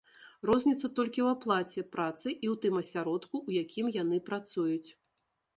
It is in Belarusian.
Розніца толькі ў аплаце працы і ў тым асяродку, у якім яны працуюць.